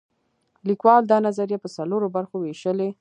لیکوال دا نظریه په څلورو برخو ویشلې.